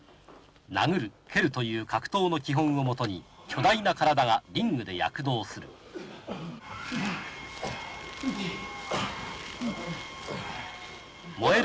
殴る蹴るという格闘の基本をもとに巨大な体がリングで躍動する燃える